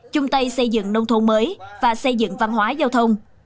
chung tay xây dựng nông thôn mới và xây dựng văn hóa giao thông